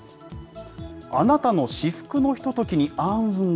あなたの至福のひとときに暗雲が。